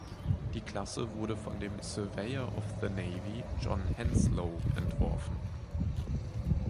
Die Klasse wurde von dem "Surveyor of the Navy" John Henslow entworfenen.